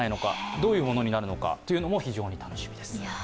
どういうものになるのかというのも非常に楽しみです。